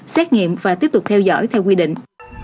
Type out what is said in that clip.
xét nghiệm và tiếp tục theo dõi theo quy định